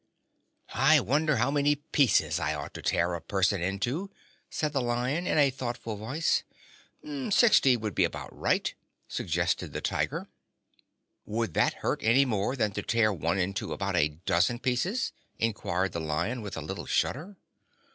"I wonder how many pieces I ought to tear a person into," said the Lion, in a thoughtful voice. "Sixty would be about right," suggested the Tiger. "Would that hurt any more than to tear one into about a dozen pieces?" inquired the Lion, with a little shudder.